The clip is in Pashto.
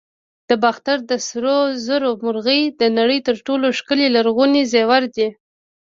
د باختر د سرو زرو مرغۍ د نړۍ تر ټولو ښکلي لرغوني زیور دی